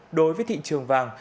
cho biết đối với thị trường vàng